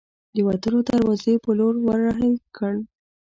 د وتلو دروازې په لور ور هۍ کړل.